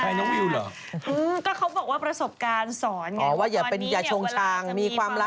แต่ว่านี่ก็คงรู้สึกว่าเธอขออยู่เงียบอีกกว่า